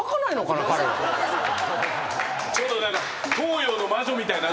ちょっと何か東洋の魔女みたいな。